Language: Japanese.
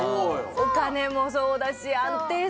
お金もそうだし安定するのに。